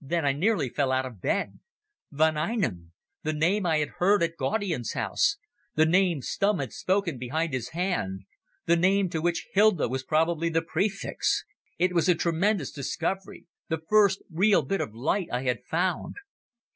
Then I nearly fell out of the bed. Von Einem—the name I had heard at Gaudian's house, the name Stumm had spoken behind his hand, the name to which Hilda was probably the prefix. It was a tremendous discovery—the first real bit of light I had found.